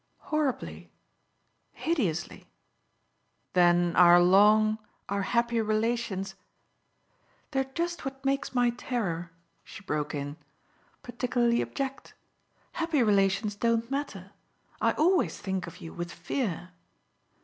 "Horribly hideously." "Then our long, our happy relations ?" "They're just what makes my terror," she broke in, "particularly abject. Happy relations don't matter. I always think of you with fear."